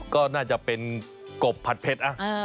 ก็น่าจะเป็นกบผัดเผ็ด